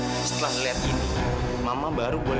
dengari mama dulu